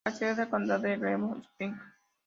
La sede del condado es Glenwood Springs.